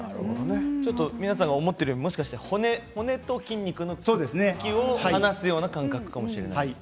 皆さんが思っているより、もっと骨と筋肉を剥がすような感覚かもしれません。